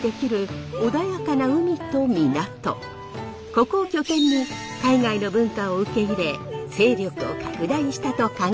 ここを拠点に海外の文化を受け入れ勢力を拡大したと考えられるのです。